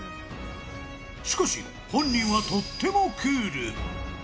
しかし、本人はとってもクール。